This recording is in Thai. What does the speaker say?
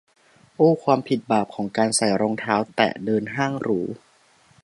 โอ้ ความผิดบาปของการใส่รองเท้าแตะเดินห้างหรู